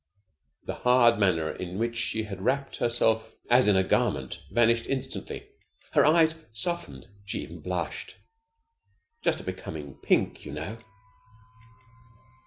The hard manner in which she had wrapped herself as in a garment vanished instantly. Her eyes softened. She even blushed. Just a becoming pink, you know!